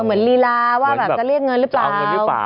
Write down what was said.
เหมือนลีลาว่าจะเรียกเงินหรือเปล่า